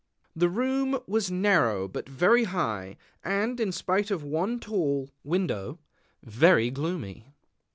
The room was narrow, but very high, and, in spite of one tall window, very gloomy.